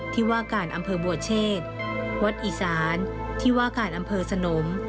ที่ว่าการอำเภอบัวเชษวัดอีสานที่ว่าการอำเภอสนม